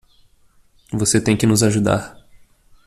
Você tem que nos ajudar.